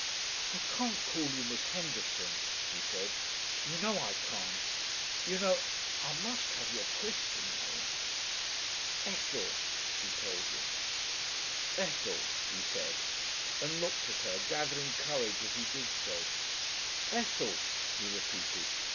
"I can't call you Miss Henderson," he said. "You know I can't. You know ... I must have your Christian name." "Ethel," she told him. "Ethel," he said and looked at her, gathering courage as he did so. "Ethel," he repeated.